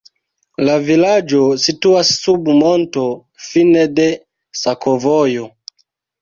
La vilaĝo situas sub monto, fine de sakovojo.